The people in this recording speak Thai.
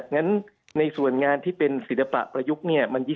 งั้นในส่วนงานที่เป็นศิลปปะยุคมัน๒๕ปี